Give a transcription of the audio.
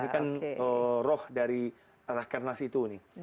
ini kan roh dari rahkarnak situ nih